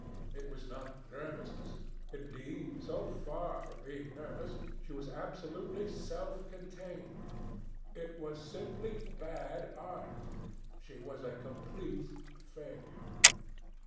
It was not nervousness. Indeed, so far from being nervous, she was absolutely self contained. It was simply bad art. She was a complete failure.